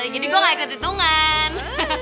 jadi gue mau ikut hitungan